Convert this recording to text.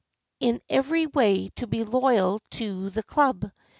In every way to be loyal to the club.